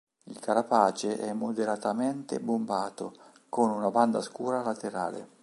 Il carapace è moderatamente bombato, con una banda scura laterale.